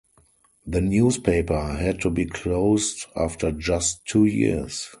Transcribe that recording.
The newspaper had to be closed after just two years.